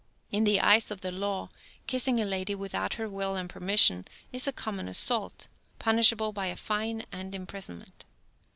In the eyes of the law, kissing a lady without her will and permission is a common assault, punishable by a fine and imprisonment.